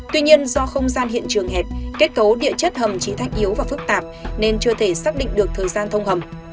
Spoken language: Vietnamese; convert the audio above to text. tuy nhiên do không gian hiện trường hẹp kết cấu địa chất hầm chỉ thách yếu và phức tạp nên chưa thể xác định được thời gian thông hầm